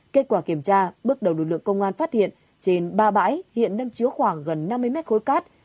kết quả kiểm tra bước đầu lực lượng công an phát hiện trên ba bãi hiện đang chứa khoảng gần năm mươi mét khối cát